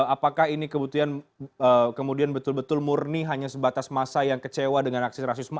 apakah ini kemudian betul betul murni hanya sebatas masa yang kecewa dengan aksi rasisme